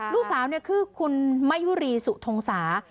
ลูกสาวเนี่ยคือคุณมะยุรีสุธงษา